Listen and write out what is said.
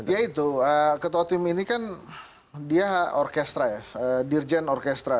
ya itu ketua tim ini kan dia orkestra ya dirjen orkestra